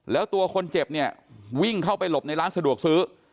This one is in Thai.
แล้วตัวคนเจ็บเนี่ยวิ่งเข้าไปหลบในร้านสะดวกซื้อ